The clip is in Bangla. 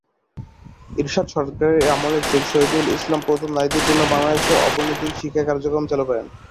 এরশাদ সরকার এর আমলে শেখ শহীদুল ইসলাম প্রথম নারীদের জন্য বাংলাদেশে অবৈতনিক শিক্ষা কার্যক্রম চালু করেন।